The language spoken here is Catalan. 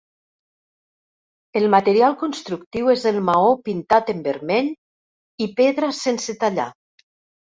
El material constructiu és el maó pintat en vermell i pedra sense tallar.